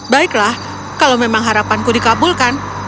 baiklah kalau memang harapanku dikabulkan